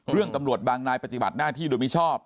ตำรวจบางนายปฏิบัติหน้าที่โดยมิชอบ